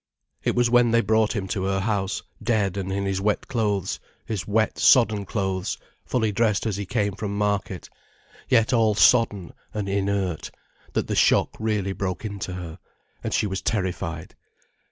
It was when they brought him to her house dead and in his wet clothes, his wet, sodden clothes, fully dressed as he came from market, yet all sodden and inert, that the shock really broke into her, and she was terrified.